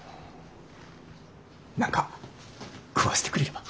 何か食わせてくれれば。